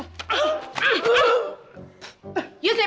kedudukanmu di luar